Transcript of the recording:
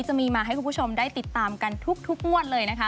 จะมีมาให้คุณผู้ชมได้ติดตามกันทุกงวดเลยนะคะ